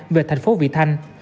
về thành phố vị thanh